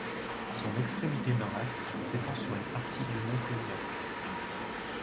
Son extrémité nord-est s'étend sur une partie du mont Kozyak.